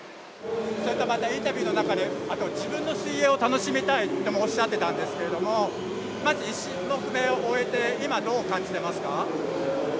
それとまたインタビューの中で「自分の水泳を楽しみたい」ともおっしゃってたんですけれどもまず１種目目を終えて今どう感じてますか？